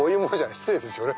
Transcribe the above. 失礼ですよね